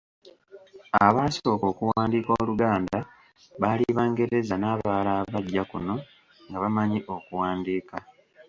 Abaasooka okuwandiika Oluganda baali Bangereza n'abala abajja kuno nga bamanyi okuwandiika.